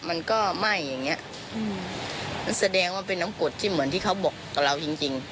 มันก็ไหม้อย่างเงี้ยอืมมันแสดงว่าเป็นน้ำกรดที่เหมือนที่เขาบอกกับเราจริงจริง